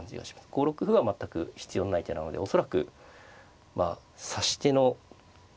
５六歩は全く必要のない手なので恐らく指し手の何だろう